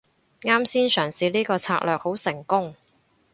啱先嘗試呢個策略好成功